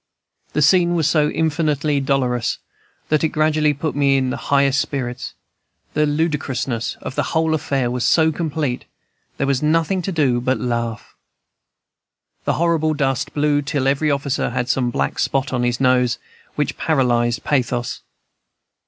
The scene was so infinitely dolorous that it gradually put me in the highest spirits; the ludicrousness of the whole affair was so complete, there was nothing to do but laugh. The horrible dust blew till every officer had some black spot on his nose which paralyzed pathos.